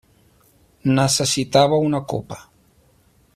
Necessitava una copa.